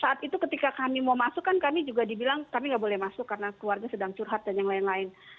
saat itu ketika kami mau masuk kan kami juga dibilang kami nggak boleh masuk karena keluarga sedang curhat dan yang lain lain